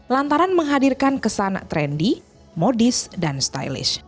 lantaran menghadirkan kesan trendy modis dan stylish